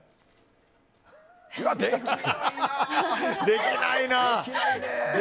できないな。